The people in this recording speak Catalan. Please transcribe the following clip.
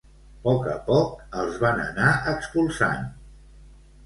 Poc a poc, els van anar expulsant.